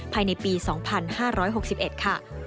ภายในปี๒๕๖๑ค่ะ